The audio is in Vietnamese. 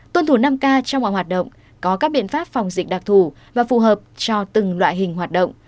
tuân thủ năm k trong mọi hoạt động có các biện pháp phòng dịch đặc thù và phù hợp cho từng loại hình hoạt động